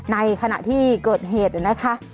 ในขณะที่เกิดเหตุนะคะ